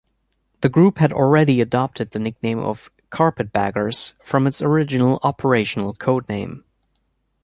The Group had already adopted the nickname of "Carpetbaggers" from its original operational codename.